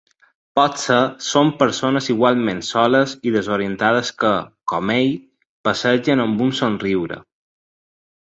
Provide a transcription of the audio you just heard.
Potser són persones igualment soles i desorientades que, com ell, passegen amb un somriure.